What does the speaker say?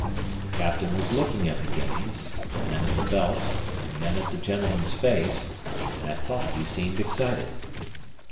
The captain was looking at the guineas, and then at the belt, and then at the gentleman's face; and I thought he seemed excited.